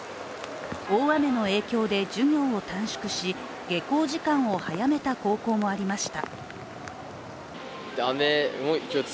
大雨の影響で授業を短縮し下校時間を早めた高校もありました。